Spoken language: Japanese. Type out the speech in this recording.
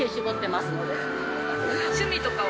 趣味とかは？